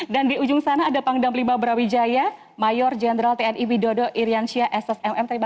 dan di ujung sana ada pangdam limba brawijaya mayor general tni widodo iryansya ssmm terima